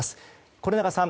是永さん